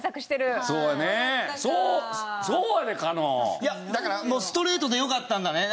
いやだからストレートでよかったんだね。